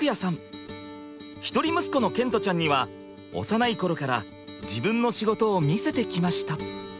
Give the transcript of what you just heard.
一人息子の賢澄ちゃんには幼い頃から自分の仕事を見せてきました。